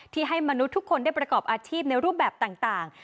ให้มนุษย์ทุกคนได้ประกอบอาชีพในรูปแบบต่าง